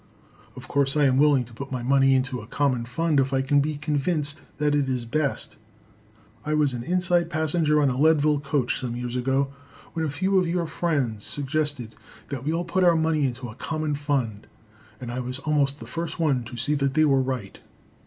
Of course I am willing to put my money into a common fund if I can be convinced that it is best. I was an inside passenger on a Leadville coach some years ago, when a few of your friends suggested that we all put our money into a common fund, and I was almost the first one to see that they were right.